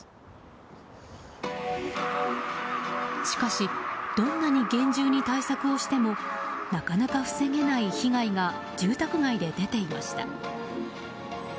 しかしどんなに厳重に対策をしてもなかなか防げない被害が住宅街で出ていました。